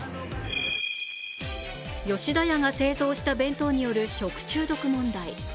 吉田屋が製造した弁当による食中毒問題。